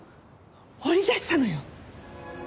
掘り出したのよ！